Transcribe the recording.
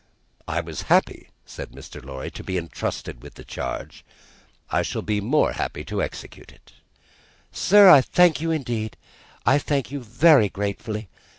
"I was happy," said Mr. Lorry, "to be entrusted with the charge. I shall be more happy to execute it." "Sir, I thank you indeed. I thank you very gratefully.